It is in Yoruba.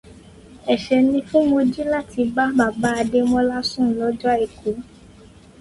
Ẹ̀ṣẹ̀ ni fún Mojí láti bá Bàbá Adémọ́lá sùn lọ́jọ́ àìkú